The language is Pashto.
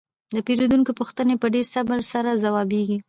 د پیرودونکو پوښتنې په ډیر صبر سره ځوابیږي.